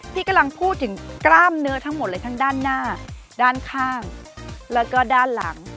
ที่กำลังพูดถึงกล้ามเนื้อทั้งหมดเลยทั้งด้านหน้าด้านข้างแล้วก็ด้านหลัง